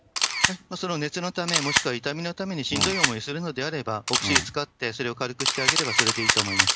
その熱のため、もしくは痛みのためにしんどい思いをするのであれば、お薬使って、それを軽くしてあげれば、それでいいと思います。